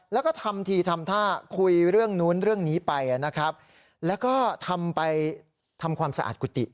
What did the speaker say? แล้วก็ทำทีทำท่าคุยเรื่องนู้นเรื่องนี้ไปนะครับแล้วก็ทำไปทำความสะอาดกุฏิ